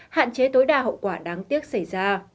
hạn chế tối đa hậu quả đáng tiếc xảy ra